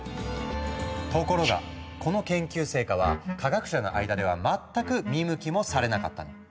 ところがこの研究成果は科学者の間では全く見向きもされなかったの。